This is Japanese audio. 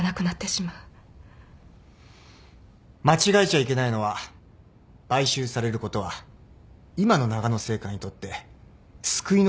間違えちゃいけないのは買収されることは今のながの製菓にとって救いの手だってことだよ。